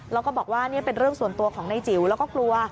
แล้วก็บอกว่านี่เป็นเรื่องส่วนตัวของนายจิ๋วแล้วก็กลัว